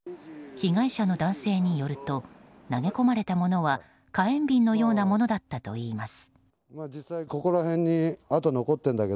被害者の男性によると投げ込まれたものは火炎瓶のようなものだったといいます。